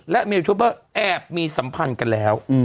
และเมียยูทูปเบอร์แอบมีสัมพันธ์กันแล้ว